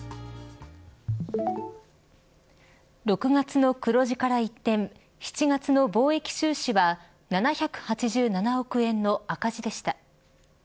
６月の黒字から一転７月の貿易収支は７８７億円の赤字でした。